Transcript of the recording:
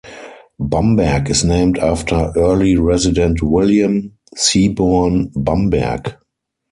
Bamberg is named after early resident William Seaborn Bamberg.